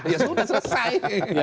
ya sudah selesai